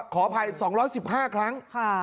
๒๒๐ขอภัย๒๑๕ครั้ง